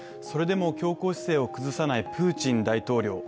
それでも強硬姿勢を崩さないプーチン大統領。